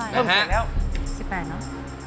๑๘เนอะ